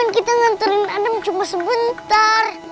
kita cuma sebentar